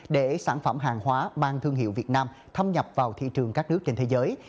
để sản phẩm hàng hóa mang thương hiệu việt nam thâm nhập vào thị trường các nước trên thế giới